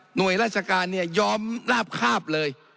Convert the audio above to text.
โดยราชการเนี่ยยอมลาบคาบเลย